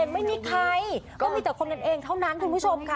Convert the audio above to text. ไม่มีใครก็มีแต่คนกันเองเท่านั้นคุณผู้ชมค่ะ